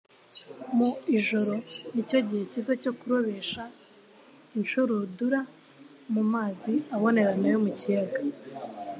Mu ijoro, ni cyo gihe cyiza cyo kurobesha inshurudura mu mazi abonerana yo mu kiyaga.